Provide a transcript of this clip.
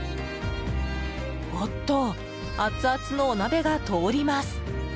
おっとアツアツのお鍋が通ります。